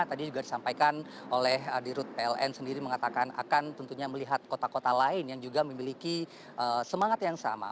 tadi juga disampaikan oleh dirut pln sendiri mengatakan akan tentunya melihat kota kota lain yang juga memiliki semangat yang sama